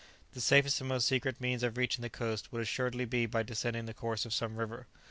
The safest and most secret means of reaching the coast would assuredly be by descending the course of some river.